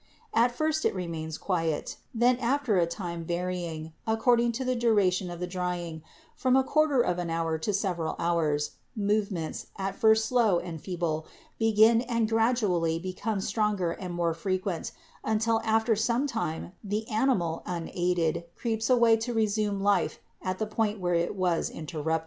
At first it remains quiet; then, after a 34 BIOLOGY time, varying, according to the duration of the drying, from a quarter of an hour to several hours, movements, at first slow and feeble, begin and gradually become stronger and more frequent until after some time the animal, unaided, creeps away to resume life at the point where it was interrupted.